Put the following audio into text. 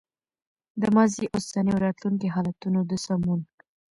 د ماضي، اوسني او راتلونکي حالتونو د سمون